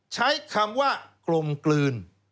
ใช้คำว่ากลมกลืน